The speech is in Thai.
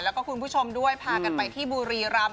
แล้วก็คุณผู้ชมด้วยพากันไปที่บุรีรำ